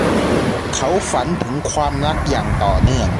เขาฝันถึงความรักอย่างต่อเนื่อง